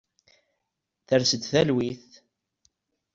Ters-d talwit.